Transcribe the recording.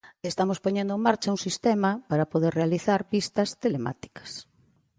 E estamos poñendo en marcha un sistema para poder realizar vistas telemáticas.